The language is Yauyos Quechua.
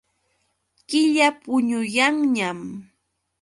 Killa puñuyanñam.